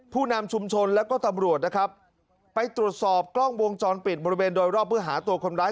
ไปตรวจสอบกล้องวงจรปิดบริเวณโดยรอบเพื่อหาตัวคนร้าย